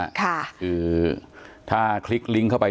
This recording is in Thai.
ถ้าใครอยากรู้ว่าลุงพลมีโปรแกรมทำอะไรที่ไหนยังไง